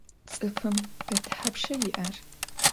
Ts'ıfım pe thapşşa yi'er?